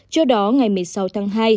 trước đó ngày một mươi sáu tháng hai